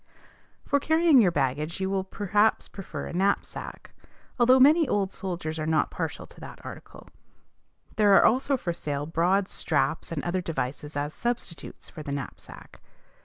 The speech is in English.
For carrying your baggage you will perhaps prefer a knapsack, though many old soldiers are not partial to that article. There are also for sale broad straps and other devices as substitutes for the knapsack.